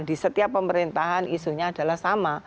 di setiap pemerintahan isunya adalah sama